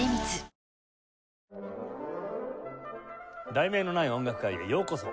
『題名のない音楽会』へようこそ。